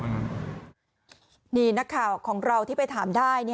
นี่นะคะของเราที่ไปถามได้